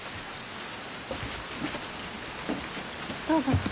どうぞ。